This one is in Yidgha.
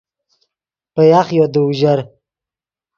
پے یاخیو دے اوژر